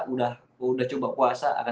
udah coba puasa